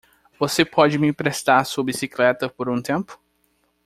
Você pode me emprestar sua bicicleta por um tempo?